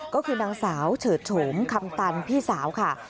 ก็คือนางสาวเฉิดโฉมคำตันพี่สาวค่ะ